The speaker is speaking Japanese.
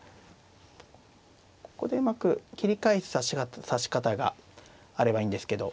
ここでうまく切り返す指し方があればいいんですけど。